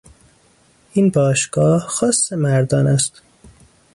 این باشگاه خاص مردان است.